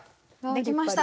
できました！